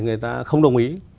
người ta không đồng ý